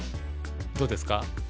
どうですか？